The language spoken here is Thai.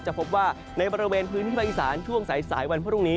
พบว่าในบริเวณพื้นที่ภาคอีสานช่วงสายวันพรุ่งนี้